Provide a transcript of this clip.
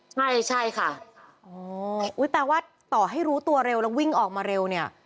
ใช่ใช่ค่ะอ๋อแปลว่าต่อให้รู้ตัวเร็วแล้ววิ่งออกมาเร็วเนี่ย